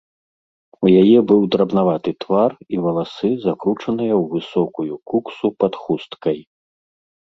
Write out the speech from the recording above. У яе быў драбнаваты твар і валасы, закручаныя ў высокую куксу пад хусткай.